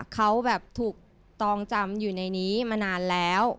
เขาแบบถูกตองจำอยู่ในนี้มานานแล้ว